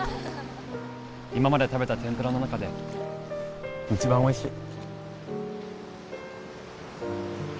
今まで食べたてんぷらの中で一番おいしい。